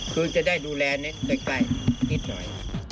คือจะได้ดูแลนิดใกล้นิดหน่อย